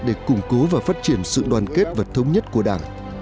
để củng cố và phát triển sự đoàn kết và thống nhất của đảng